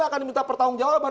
akan diminta pertanggung jawaban